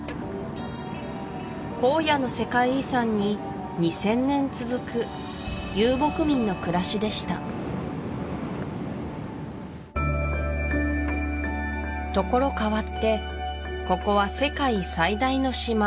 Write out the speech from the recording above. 荒野の世界遺産に２０００年続く遊牧民の暮らしでしたところ変わってここは世界最大の島